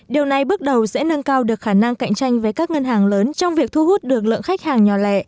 điều này bước đầu sẽ nâng cao được khả năng cạnh tranh với các ngân hàng lớn trong việc thu hút được lượng khách hàng nhỏ lẻ